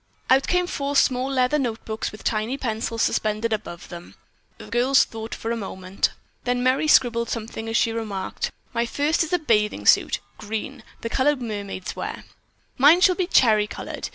Out came four small leather notebooks and with tiny pencils suspended above them, the girls thought for a moment. Then Merry scribbled something as she remarked, "My first is a bathing suit. Green, the color mermaids wear." "Mine shall be cherry colored.